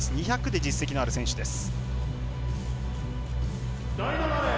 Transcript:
２００で実績のある選手です。